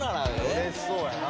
うれしそうやな。